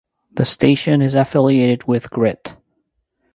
The station is affiliated with Grit.